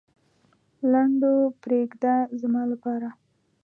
لنډو پرېږده زما لپاره.